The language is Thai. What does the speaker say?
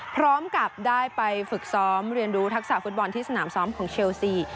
พร้อมกับได้ไปฝึกซ้อมเรียนรู้ทักษะฟุตบอลที่สนามซ้อมของเชลซี